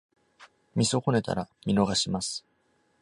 見損ねたら！見逃します！